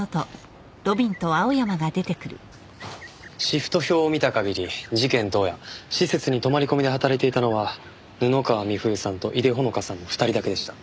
シフト表を見た限り事件当夜施設に泊まり込みで働いていたのは布川美冬さんと井手穂香さんの２人だけでした。